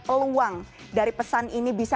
peluang dari pesan ini bisa